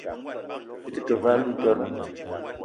Byi te ke ve aloutere mou ?